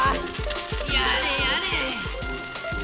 やれやれ。